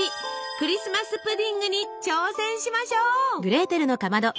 クリスマス・プディングに挑戦しましょう！